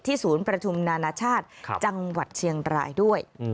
ศูนย์ประชุมนานาชาติจังหวัดเชียงรายด้วย